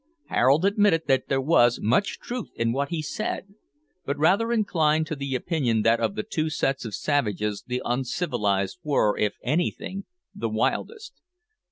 Harold admitted that there was much truth in what he said, but rather inclined to the opinion that of the two sets of savages the uncivilised were, if anything, the wildest.